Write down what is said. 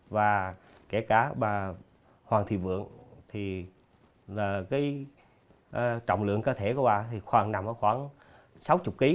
và kể cả bà hoàng thị vượng thì trọng lượng cơ thể của bà thì khoảng nằm ở khoảng sáu mươi kg